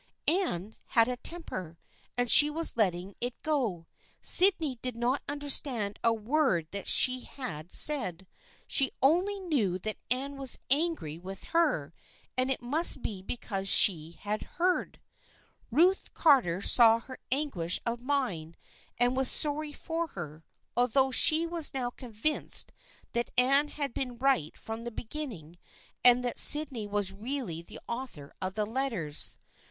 Anne had a temper, and she was letting it go. Sydney did not understand a word that she had said. She only knew that Anne was angry with her, and it must be because she had heard ! Ruth Carter saw her anguish of mind and was sorry for her, although she was now convinced that Anne had been right from the beginning and that Syd ney was really the author of the letters.